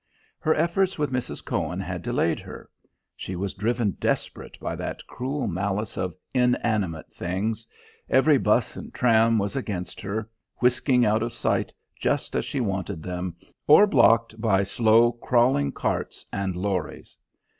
Her efforts with Mrs. Cohen had delayed her; she was driven desperate by that cruel malice of inanimate things: every 'bus and tram was against her, whisking out of sight just as she wanted them, or blocked by slow crawling carts and lorries.